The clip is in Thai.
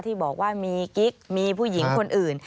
ที่บอกว่ามีกิ๊กมีผู้หญิงคนอื่น